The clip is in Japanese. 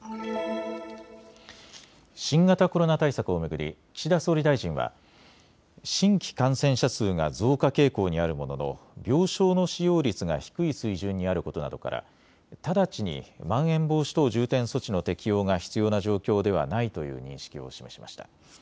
新型コロナ対策を巡り岸田総理大臣は新規感染者数が増加傾向にあるものの病床の使用率が低い水準にあることなどから直ちにまん延防止等重点措置の適用が必要な状況ではないという認識を示しました。